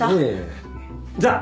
じゃあ。